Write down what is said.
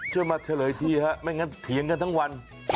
มาเฉลยทีฮะไม่งั้นเถียงกันทั้งวัน